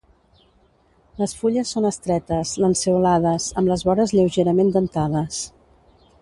Les fulles són estretes, lanceolades, amb les vores lleugerament dentades.